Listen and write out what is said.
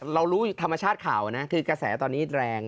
เรารู้ธรรมชาติข่าวนะคือกระแสตอนนี้แรง